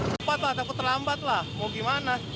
cepat lah takut terlambat lah mau gimana